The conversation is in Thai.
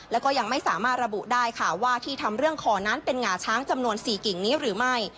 แล้วก็ยังไม่สามารถระบุได้ค่ะว่าที่ทำเรื่องขอนั้นเป็นหงาช้างจำนวน๔กิ่งนี้หรือไม่